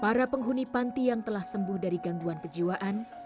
para penghuni panti yang telah sembuh dari gangguan kejiwaan